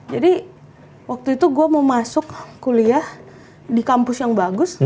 waktu itu gue mau masuk kuliah di kampus yang bagus